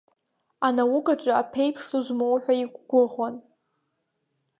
Анаукаҿы аԥеиԥш ду змоу ҳәа иқәгәыӷуан.